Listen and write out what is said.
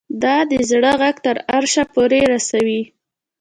دا د زړه غږ تر عرشه پورې رسوي